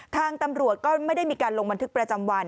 ทางตำรวจก็ไม่ได้มีการลงบันทึกประจำวัน